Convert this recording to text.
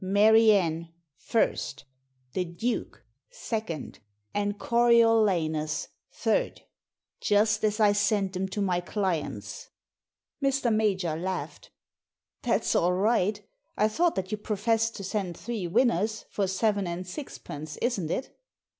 " Mary Anne, i ; The Duke, 2 ; and Coriolanus, 3 ; just as I sent 'em to my clients !" Mr. Major laughed. " That's all right I thought that you professed to send three winners, for seven and sixpence, isn't it